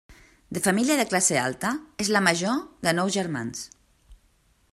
De família de classe alta, és la major de nou germans.